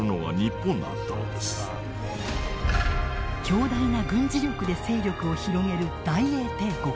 強大な軍事力で勢力を広げる大英帝国。